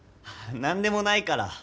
何でもないから。